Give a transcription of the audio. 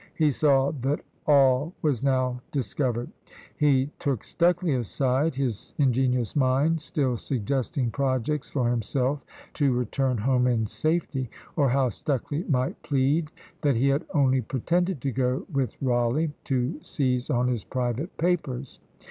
He saw that all was now discovered. He took Stucley aside; his ingenious mind still suggesting projects for himself to return home in safety, or how Stucley might plead that he had only pretended to go with Rawleigh, to seize on his private papers.